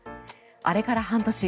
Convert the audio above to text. あれから半年。